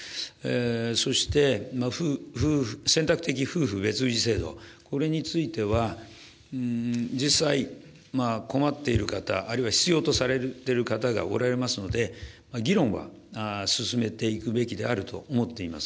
そして選択的夫婦別氏制度、これについては、実際、困っている方、あるいは必要とされている方がおられますので、議論は進めていくべきであると思っております。